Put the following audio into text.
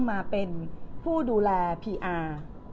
มาเป็นผู้ดูแลพีอาร์